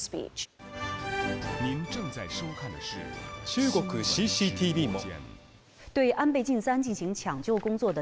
中国ＣＣＴＶも。